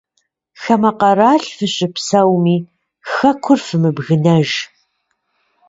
Хамэ къэрал фыщыпсэуми, хэкур фымыбгынэж.